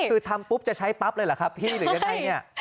คือทำปุ๊บจะใช้ปั๊บเลยเหรอครับพี่หรือยังไงเนี่ย